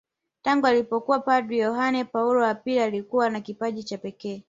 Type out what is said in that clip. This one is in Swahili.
Tangu alipokuwa padri Yohane Paulo wa pili alikuwa na kipaji cha pekee